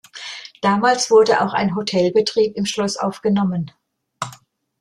Damals wurde auch ein Hotelbetrieb im Schloss aufgenommen.